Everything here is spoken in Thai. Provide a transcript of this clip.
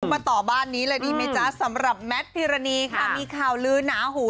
มาต่อบ้านนี้เลยดีไหมจ๊ะสำหรับแมทพิรณีค่ะมีข่าวลือหนาหู